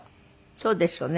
そうですよね。